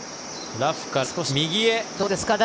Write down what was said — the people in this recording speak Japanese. ラフから少し右へ。